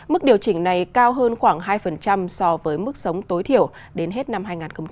mức điều chỉnh này cao hơn khoảng hai so với mức sống tối thiểu đến hết năm hai nghìn hai mươi